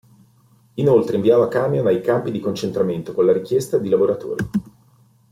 Inoltre inviava camion ai campi di concentramento con la richiesta di lavoratori.